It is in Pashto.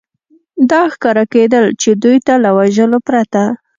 دا ښکاره کېدل، چې دوی ته له وژلو پرته.